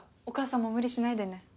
お母さんも無理しないでね。